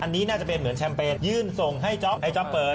อันนี้น่าจะเป็นเหมือนแชมเปญยื่นส่งให้จ๊อปไอจ๊อปเปิด